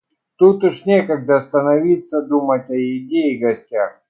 Тут уж некогда становится думать о еде и гостях.